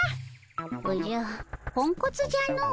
おじゃポンコツじゃの。